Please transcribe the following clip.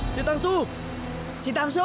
kau akan berjalan bersamamu